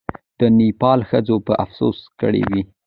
د نېپال ښځو به افسوس کړی وي.